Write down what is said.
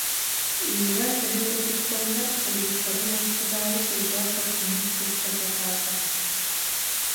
Ира, төһө да куттаннар, кыргыттарын уоскутаары сүрдээх хорсуннук тутта сатаата